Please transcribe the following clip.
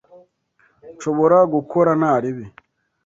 Nshobora gukora ntaribi.